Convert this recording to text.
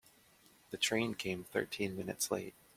The train came thirteen minutes late.